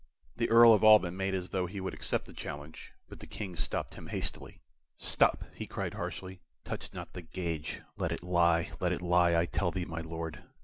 The Earl of Alban made as though he would accept the challenge, but the King stopped him hastily. "Stop!" he cried, harshly. "Touch not the gage! Let it lie let it lie, I tell thee, my Lord!